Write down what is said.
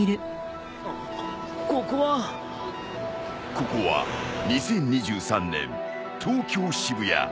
ここは２０２３年東京渋谷。